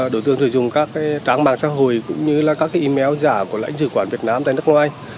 đội tường sử dụng các trang mạng xã hội cũng như các email giả của lãnh sử quản việt nam tại nước ngoài